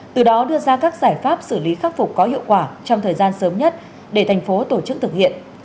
từ đó đưa ra các giải pháp xử lý khắc phục có hiệu quả trong thời gian sớm nhất để thành phố tổ chức thực hiện